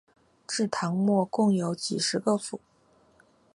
至唐末共有十几个府。